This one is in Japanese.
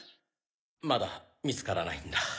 まだ見つからないんだ。